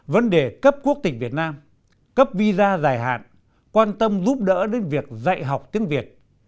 vấn đề cấp quốc tỉnh việt nam cấp visa dài hạn quan tâm giúp đỡ đến việc dạy học tiếng việt